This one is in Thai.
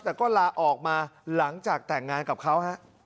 แต่ก็ลาออกมาหลังจากแต่งงานกับเขาฮะ